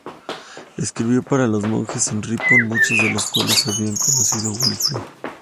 Escribió para los monjes en Ripon, muchos de los cuales habían conocido Wilfrid.